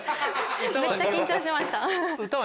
めっちゃ緊張しました。